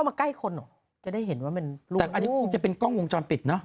อันนี้มันคงจะเป็นกล้องวงจรปิด